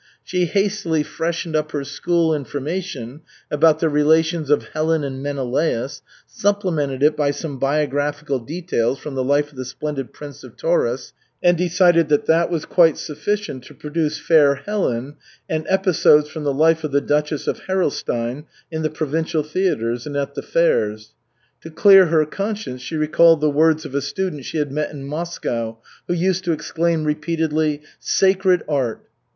She hastily freshened up her school information about the relations of Helen and Menelaus, supplemented it by some biographical details from the life of the splendid Prince of Tauris and decided that that was quite sufficient to produce Fair Helen and Episodes from the Life of the Duchess of Herolstein in the provincial theatres and at the fairs. To clear her conscience she recalled the words of a student she had met in Moscow who used to exclaim repeatedly, "Sacred Art!"